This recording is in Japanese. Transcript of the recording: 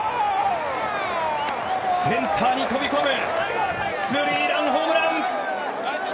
センターに飛び込むスリーランホームラン！